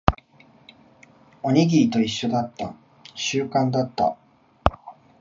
おにぎりと一緒だった。習慣だった。